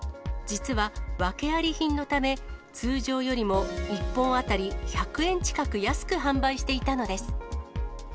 実は訳あり品のため、通常よりも１本当たり１００円近く安く販売していたのです。